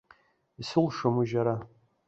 Исылшом ужьара.